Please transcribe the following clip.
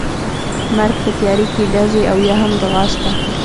مرګ، په تیارې کې ډزې او یا هم ځغاسته.